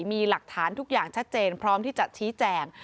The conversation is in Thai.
มีหลักฐานทุกอย่างชัดเจนพร้อมที่จะชี้แจง